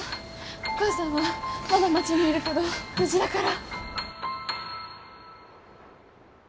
お母さんはまだ町にいるけど無事だから。